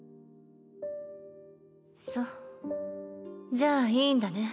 じゃあいいんだね。